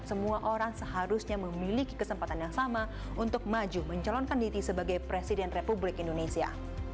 semua orang seharusnya memiliki kesempatan yang sama untuk maju mencalonkan diri sebagai presiden republik indonesia